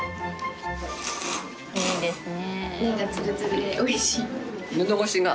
いいですねえ。